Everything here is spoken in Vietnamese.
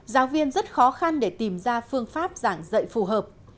giáo viên rất khó khăn để tìm ra phương pháp giảng dạy phù hợp